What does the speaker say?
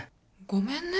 ごめんね？